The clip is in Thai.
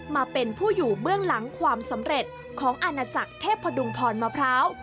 มาเป็นผู้อยู่เบื้องหลังความสำเร็จของอาณาจักรเทพดุงพรมะพร้าว